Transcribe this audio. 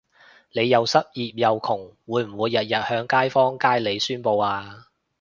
你又失業又窮會唔會日日向街坊街里宣佈吖？